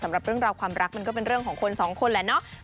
สำหรับเรื่องราวความรักมันก็เป็นเรื่องของคนสองคนแหละเนาะ